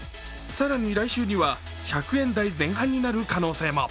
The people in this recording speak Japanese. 更に来週には１００円台前半になる可能性も。